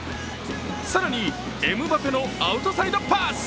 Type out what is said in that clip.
更にエムバペのアウトサイドパス。